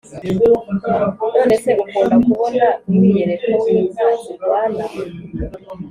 nonese ukunda kubona umwiyereko winka zirwana?"